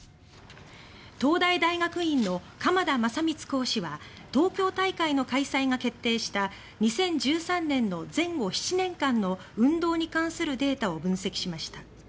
東大大学院の鎌田真光講師は東京大会開催が決定した２０１３年の前後７年間の運動に関するデータを分析しました。